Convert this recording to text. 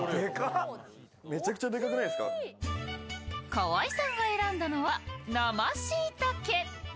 河合さんが選んだのは生しいたけ。